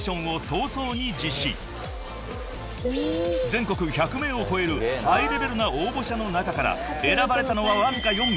［全国１００名を超えるハイレベルな応募者の中から選ばれたのはわずか４名］